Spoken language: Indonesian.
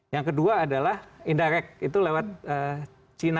yang kedua adalah indirect itu lewat china